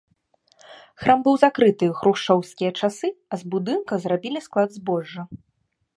Храм быў закрыты ў хрушчоўскія часы, а з будынка зрабілі склад збожжа.